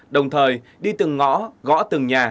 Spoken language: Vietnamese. đồng thời đi từng ngõ gõ từng nhà